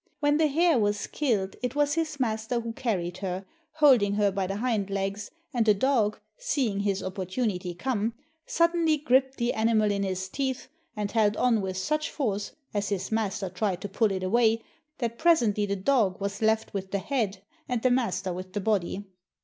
When the hare was killed, it was his master who carried her, hold ing her by the hind legs, and the dog, seeing his oppor tunity come, suddenly gripped the animal in his teeth, and held on with such force, as his master tried to pull it away, that presently the dog was left with the head and the master with the body.